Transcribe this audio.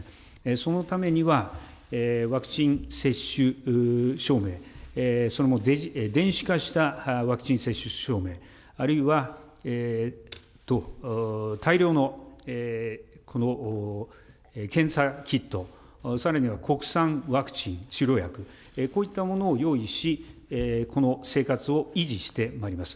そのためには、ワクチン接種証明、それも電子化したワクチン接種証明、あるいは大量の検査キット、さらには国産ワクチン、治療薬、こういったものを用意し、この生活を維持してまいります。